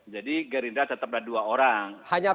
jadi gerindra tetap ada dua orang